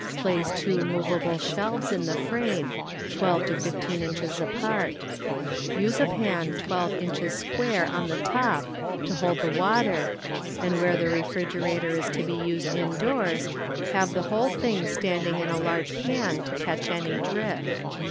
Place two mov able shelves in the frame, twelve to fif teen inches apart. Use a pan twelve inches square on the top to hold the water, and where the refrigerator is to be used indoors have the whole thing standing in a large pan to catch any drip.